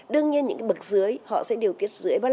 đương nhiên những bậc dưới họ sẽ điều tiết dưới ba mươi năm